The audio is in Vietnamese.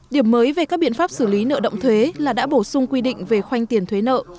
điểm mới về các biện pháp xử lý nợ động thuế là đã bổ sung quy định về khoanh tiền thuế nợ